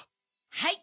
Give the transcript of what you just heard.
はい！